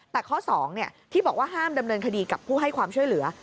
แต่ข้อ๒ที่บอกว่าห้ามดำเนินคดีกับผู้ให้ความช่วยเหลือ